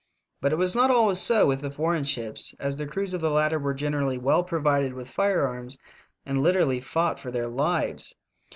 But it was not always so with the foreign ships, as the crews of the latter were gen erally well provided with firearms and literally fought for their lives.